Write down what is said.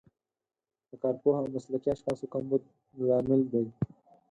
د کارپوه او مسلکي اشخاصو کمبود لامل دی.